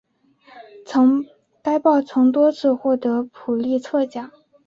该报曾多次获得普利策奖。